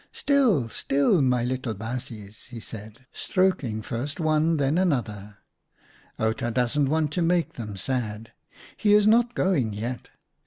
" Still ! still ! my little baasjes," he said, stroking first one and then another. " Outa doesn't want to make them sad. He is not going yet.